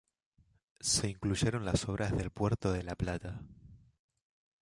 Se concluyeron las obras del Puerto de La Plata.